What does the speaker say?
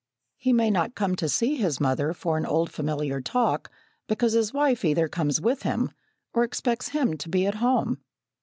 He may not come to see his mother for an old familiar talk, because his wife either comes with him, or expects him to be at home.